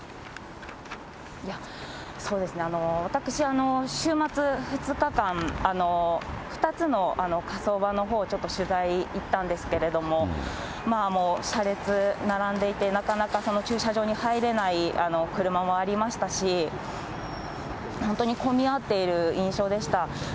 私、週末２日間、２つの火葬場のほう、ちょっと取材行ったんですけれども、車列並んでいて、なかなか駐車場に入れない車もありましたし、本当に混み合っている印象でした。